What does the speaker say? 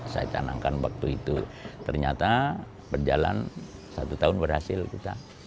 saya canangkan waktu itu ternyata berjalan satu tahun berhasil kita